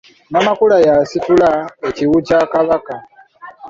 Namakula y’asitula ekiwu kya Kabaka.